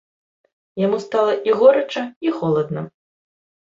Яму стала і горача і холадна.